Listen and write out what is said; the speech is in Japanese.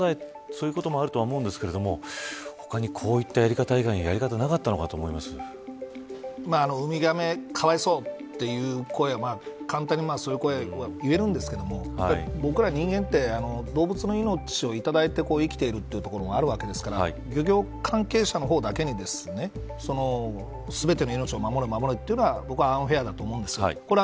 そういうこともあると思うんですけども他にこういったやり方以外にやり方がなかったのかとウミガメかわいそうという声簡単に、そういう声は言えるんですけど僕ら人間って動物の命をいただいて生きているというところがあるわけですから漁業関係者の方だけにその全ての命を守れというのは僕はアンフェアだと思うんです。